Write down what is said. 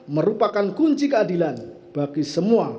merupakan kunci keadilan bagi semua